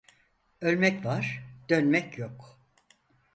Ölmek var, dönmek yok.